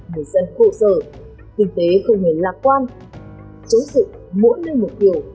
người dân khổ sở kinh tế không hề lạc quan chống dựng mỗi nơi mục tiêu